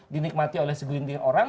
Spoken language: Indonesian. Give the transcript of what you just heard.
dinikmati oleh segelintir orang